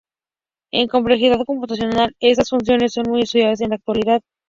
En complejidad computacional, estas funciones son muy estudiadas en la actualidad.